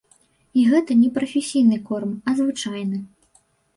І гэта не прафесійны корм, а звычайны.